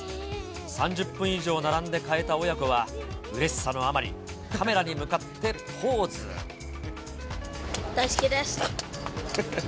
３０分以上並んで買えた親子は、うれしさのあまり、大好きです。